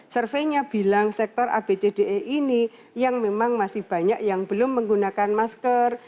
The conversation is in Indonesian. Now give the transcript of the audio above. surveinya bilang sektor abcde ini yang memang masih banyak yang belum menggunakan masker